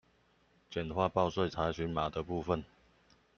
簡化報稅查詢碼的部分